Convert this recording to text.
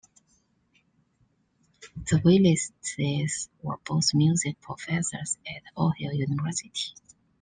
The Willitses were both music professors at Ohio University.